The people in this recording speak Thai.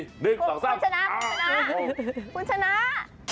หนึ่งสองสามคุณชนะ